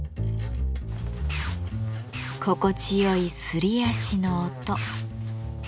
心地よいすり足の音。